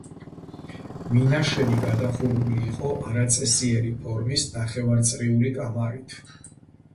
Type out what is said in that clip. მინაშენი გადახურული იყო არაწესიერი ფორმის ნახევარწრიული კამარით.